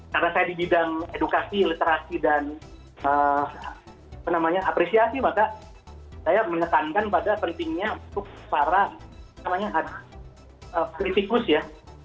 karena saya di bidang edukasi literasi dan apresiasi maka saya menekankan pada pentingnya untuk para kritikus ya